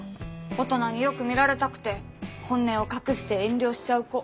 大人によく見られたくて本音を隠して遠慮しちゃう子。